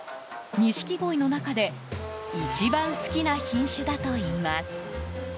錦鯉の中で一番好きな品種だといいます。